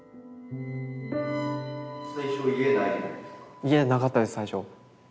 家なかったです最初。